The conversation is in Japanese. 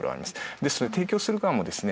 ですので提供する側もですね